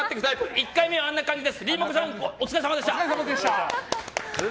１回目はあんな感じです。